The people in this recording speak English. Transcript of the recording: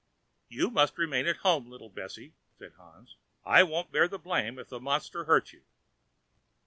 "You must remain at home, little Bessy," said Hans; "I won't bear the blame if the monster hurts you."